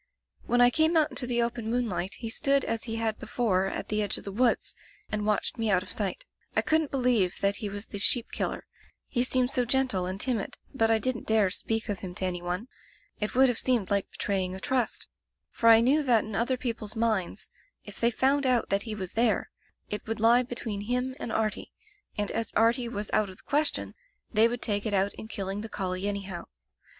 "When I came out into die open moon light he stood as he had before at the edge of the woods, and watched me out of sight, I couldn't believe that he was the sheep killer, he seemed so gentle and timid, but I didn't dare speak of him to any one — ^it would have seemed like betraying a trust — Digitized by LjOOQ IC Interventions for I knew that in other people's minds, if they found out that he was tfiere, it would lie between him and Artie, and as Artie was out of the question, they would take it out in killing the collie anyhow.